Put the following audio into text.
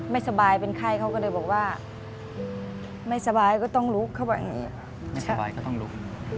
ไม่สบายเป็นไข้เขาก็เลยบอกว่าไม่สบายก็ต้องลุกเขาบอกอย่างนี้